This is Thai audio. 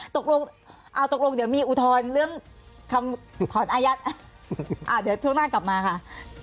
ตกลงเอาตกลงเดี๋ยวมีอุทธรณ์เรื่องคำถอนอายัดเดี๋ยวช่วงหน้ากลับมาค่ะ